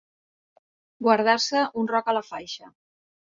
Guardar-se un roc a la faixa.